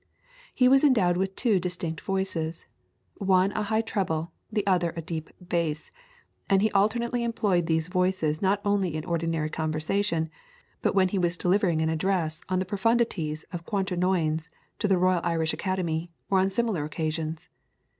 He was endowed with two distinct voices, one a high treble, the other a deep bass, and he alternately employed these voices not only in ordinary conversation, but when he was delivering an address on the profundities of Quaternions to the Royal Irish Academy, or on similar occasions.